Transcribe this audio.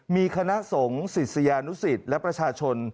มีคณะสงฆ์ศิษยานุสิตและประชาชน